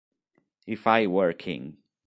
If I Were King